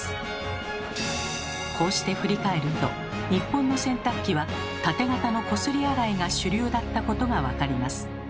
こうして振り返ると日本の洗濯機はタテ型のこすり洗いが主流だったことが分かります。